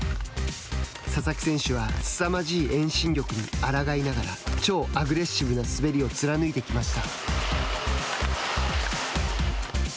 佐々木選手はすさまじい遠心力にあらがいながら超アグレッシブな滑りを貫いてきました。